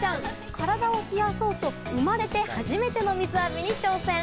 体を冷やそうと、生まれて初めての水浴びに挑戦。